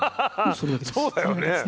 それだけです。